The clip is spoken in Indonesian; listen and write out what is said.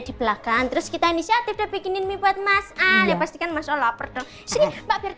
di belakang terus kita ini saatnya bikinin mie buat mas alia pastikan masalah percobaan